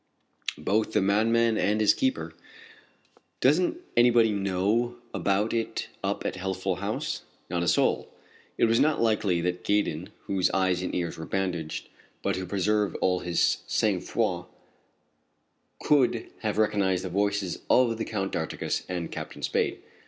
"Both the madman and his keeper." "Doesn't anybody know about it up at Healthful House? "Not a soul." It was not likely that Gaydon, whose eyes and ears were bandaged, but who preserved all his sang froid, could have recognized the voices of the Count d'Artigas and Captain Spade.